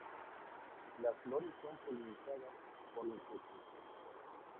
Las flores son polinizadas por insectos.